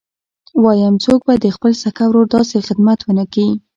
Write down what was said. وايم څوک به د خپل سکه ورور داسې خدمت ونه کي.